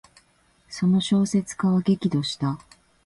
その小説家は激怒した。